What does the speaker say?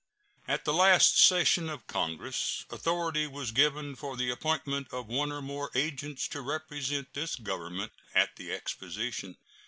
At the last session of Congress authority was given for the appointment of one or more agents to represent this Government at the exposition.